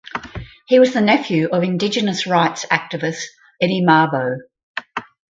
He was the nephew of indigenous rights activist Eddie Mabo.